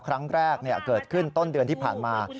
ครั้งแรกเกิดขึ้นต้นเดือนที่ผ่านมา